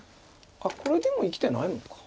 これでも生きてないのか。